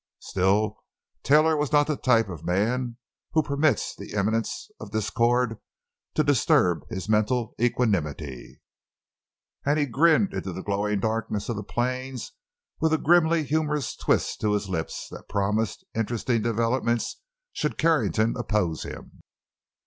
Still, Taylor was not the type of man who permits the imminence of discord to disturb his mental equanimity, and he grinned into the growing darkness of the plains with a grimly humorous twist to his lips that promised interesting developments should Carrington oppose him.